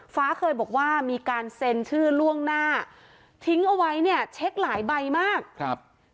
ฟ้าเคยบอกว่ามีการเซ็นชื่อล่วงหน้าทิ้งเอาไว้เนี่ยเช็คหลายใบมากครับ